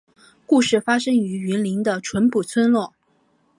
故事发生于云林的纯朴村落